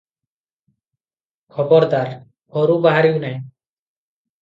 ଖବରଦାର! ଘରୁ ବାହାରିବୁ ନାହିଁ ।’